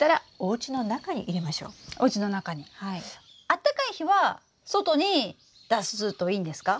あったかい日は外に出すといいんですか？